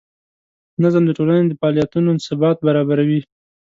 نظم د ټولنې د فعالیتونو ثبات برابروي.